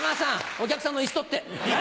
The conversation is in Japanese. お客さんの椅子取って！